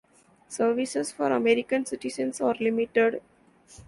Services for American citizens are limited.